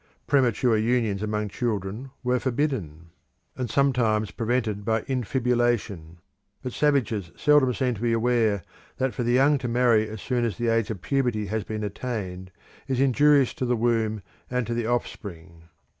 Premature unions among children were forbidden, and sometimes prevented by infibulation, but savages seldom seem to be aware that for the young to marry as soon as the age of puberty has been attained is injurious to the womb and to the offspring.